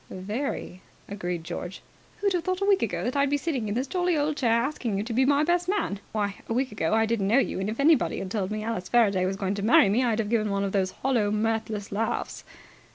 "Very," agreed George. "Who'd have thought, a week ago, that I'd be sitting in this jolly old chair asking you to be my best man? Why, a week ago I didn't know you, and, if anybody had told me Alice Faraday was going to marry me, I'd have given one of those hollow, mirthless laughs."